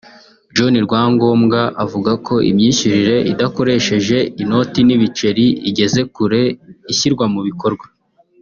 John Rwangombwa avuga ko imyishyurire idakoresheje inoti n’ibiceri igeze kure ishyirwa mu bikorwa